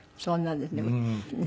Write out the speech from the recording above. そうなんですね。